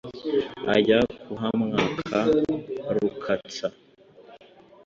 ajya kuhamwaka rukatsa.